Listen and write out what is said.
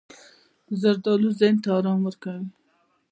زردالو ذهن ته ارام ورکوي.